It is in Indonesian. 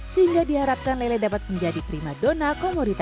sehingga diharapkan lele dapat menjadi prima donako moribundi